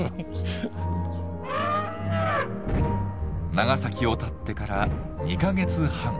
長崎をたってから２か月半。